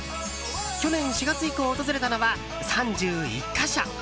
去年４月以降訪れたのは３１か所。